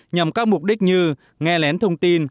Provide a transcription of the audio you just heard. nhằm các mục đích như nghe lén thông tin